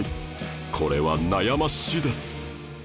これは悩ましいです